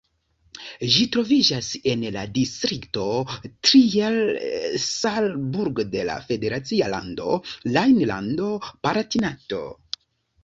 Ĝi troviĝas en la distrikto Trier-Saarburg de la federacia lando Rejnlando-Palatinato.